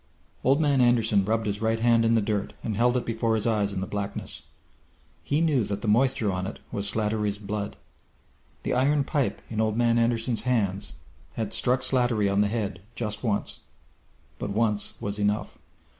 Old Man Anderson rubbed his right hand in the dirt and held it before his eyes in the blackness. He knew that the moisture on it was Slattery's blood. The iron pipe in Old Man Anderson's hands had struck Slattery on the head just once, but once was enough.